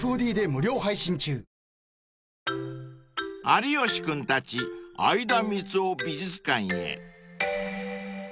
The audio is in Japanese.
［有吉君たち相田みつを美術館へ］